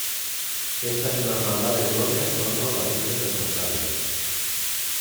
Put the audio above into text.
Esta es una hermandad de gloria en torno la Virgen del Rosario.